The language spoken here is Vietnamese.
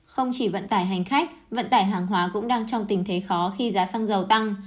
không chỉ vận tải hành khách vận tải hàng hóa cũng đang trong tình thế khó khi giá xăng dầu tăng